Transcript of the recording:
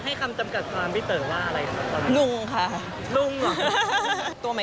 ให้คำจำกัดความพี่เต๋อว่าอะไร